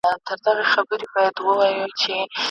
زه غریب د جانان میني له پخوا وژلی ومه